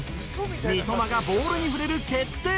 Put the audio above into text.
三笘がボールに触れる決定的瞬間。